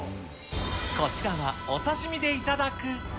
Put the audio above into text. こちらはお刺身で頂く。